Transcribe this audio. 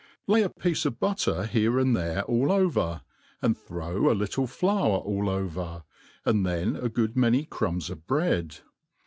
Lay a piece of butter here and there' afl over, and throw a Mttle fiour a}) over,' and thei^ a good many crumbs of bread.